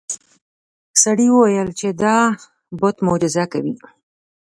سړي وویل چې دا بت معجزه کوي.